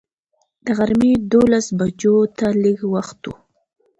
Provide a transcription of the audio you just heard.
د غرمې دولس بجو ته لږ وخت و.